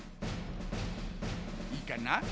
いいかな？